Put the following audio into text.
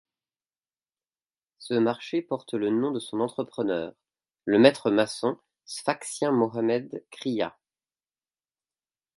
Ce marché porte le nom de son entrepreneur, le maître maçon sfaxien Mohamed Kriaa.